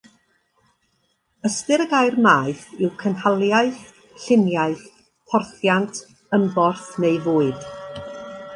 Ystyr y gair maeth yw cynhaliaeth, lluniaeth, porthiant, ymborth neu fwyd.